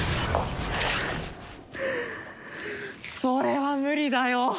それは無理だよ。